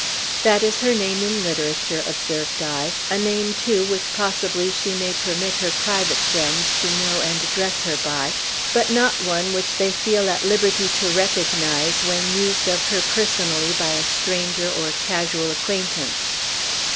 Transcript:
"That is her name in literature," observed I; "a name, too, which possibly she may permit her private friends to know and address her by, but not one which they feel at liberty to recognize when used of her personally by a stranger or casual acquaintance."